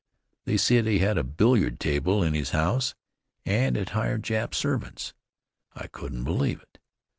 They said he had a billiard table in his house and had hired Jap servants. I couldn't believe it.